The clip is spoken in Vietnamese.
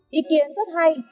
ý kiến rất hay